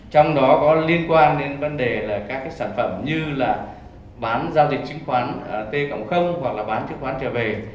trong đó có liên quan đến vấn đề là các sản phẩm như là bán giao dịch chứng khoán t cộng hoặc là bán chứng khoán trở về